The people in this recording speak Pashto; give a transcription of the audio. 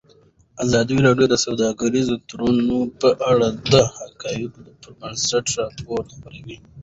ازادي راډیو د سوداګریز تړونونه په اړه د حقایقو پر بنسټ راپور خپور کړی.